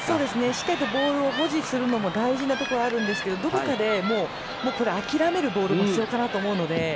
しっかりボールを保持するのも大事なところはあるんですがどこかで諦めるボールも必要かなと思うので。